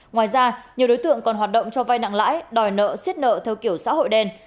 ngoài ra nhiều đối tượng còn hoạt động cho vai nặng lãi đòi nợ xiết nợ theo kiểu xã hội đen